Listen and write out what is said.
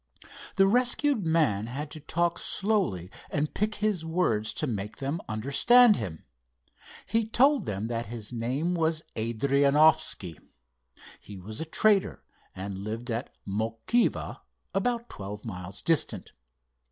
The rescued man had to talk slowly and pick his words to make them understand him. He told them that his name was Adrianoffski. He was a trader, and lived at Mokiva, about twelve miles distant.